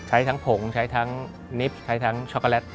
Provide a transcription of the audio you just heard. ใช้ทั้งผงใช้ทั้งลิฟต์ใช้ทั้งช็อกโกแลต